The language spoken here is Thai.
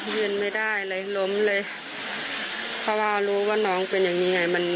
ยืนไม่ได้เลยล้มเลยเพราะว่ารู้ว่าน้องเป็นอย่างนี้ไงมัน